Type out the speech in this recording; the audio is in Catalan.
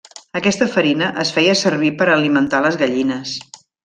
Aquesta farina es feia servir per a alimentar les gallines.